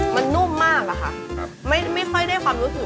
เมนูที่๒นี่คือ